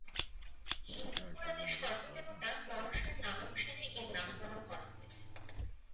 হিন্দু পুরাণের সর্প দেবতা মনসার নামানুসারে এর নামকরণ করা হয়েছে।